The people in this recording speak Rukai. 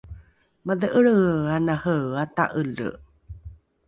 madhe’elrehe ana reea ta’ele